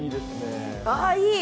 ああ、いい。